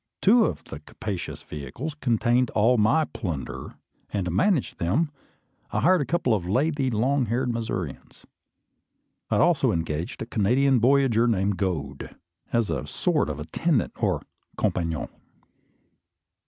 Two of the capacious vehicles contained all my "plunder;" and, to manage them, I had hired a couple of lathy, long haired Missourians. I had also engaged a Canadian voyageur named Gode, as a sort of attendant or compagnon.